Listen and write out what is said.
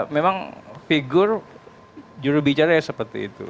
memang figur jurubicara seperti itu